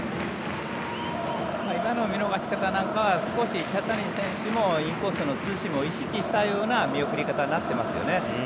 今の見逃し方なんかは少し茶谷選手もインコースのツーシームを意識したような見送り方になっていますよね。